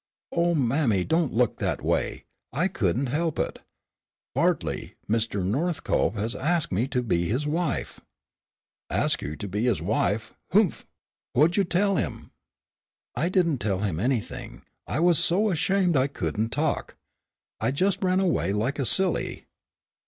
"Oh mammy, don't look that way, I couldn't help it. Bartley Mr. Northcope has asked me to be his wife." "Asked you to be his wife! Oomph! Whut did you tell him?" "I didn't tell him anything. I was so ashamed I couldn't talk. I just ran away like a silly."